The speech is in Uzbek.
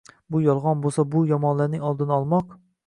Bular yolg'on bo'lsa, bu yomonlarning oldini olmoq